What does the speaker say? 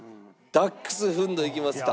ダックスフンドいきました。